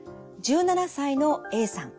１７歳のＡさん。